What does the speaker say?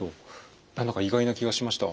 何だか意外な気がしました。